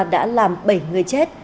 đã làm bảy người chết